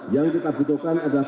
yang kita butuhkan adalah